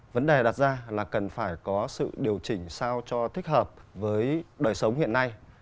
vấn đề đặt ra là cần phải có sự điều chỉnh sao cho thích hợp với đời sống hiện nay